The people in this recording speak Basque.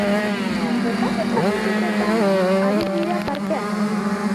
Bertako txapelketetan ari dira parte hartzen.